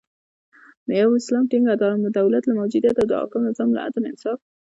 د یو اسلامی ټینګ دولت له موجودیت او د حاکم نظام له عدل، انصاف